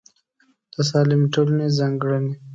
د سالمې ټولنې ځانګړنې